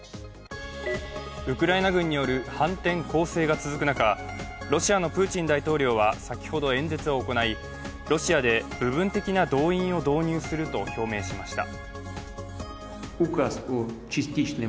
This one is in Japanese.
ウクライナ軍による反転攻勢が続く中、ロシアのプーチン大統領は先ほど演説を行い、ロシアで部分的な動員を導入すると表明しました。